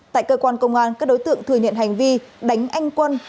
tại cơ quan công an các đối tượng thừa nhận hành vi đánh anh quân